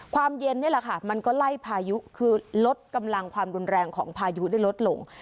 เย็นนี่แหละค่ะมันก็ไล่พายุคือลดกำลังความรุนแรงของพายุได้ลดลง